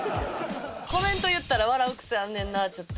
コメント言ったら、笑う癖あんねんなぁ、ちょっと。